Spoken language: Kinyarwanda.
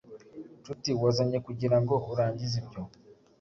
nshuti wazanye kugirango urangize ibyo